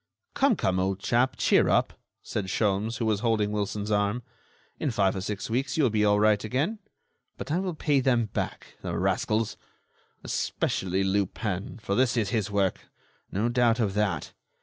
"Come, come, old chap, cheer up!" said Sholmes, who was holding Wilson's arm, "in five or six weeks you will be all right again. But I will pay them back ... the rascals! Especially Lupin, for this is his work ... no doubt of that.